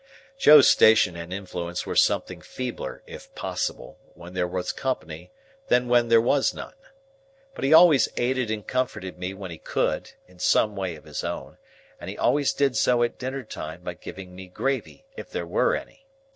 Joe's station and influence were something feebler (if possible) when there was company than when there was none. But he always aided and comforted me when he could, in some way of his own, and he always did so at dinner time by giving me gravy, if there were any.